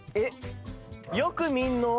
よく見るのは。